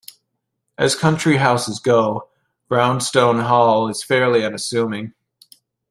As country houses go, Braunstone hall is fairly unassuming.